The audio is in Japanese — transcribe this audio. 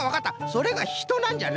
それがひとなんじゃな。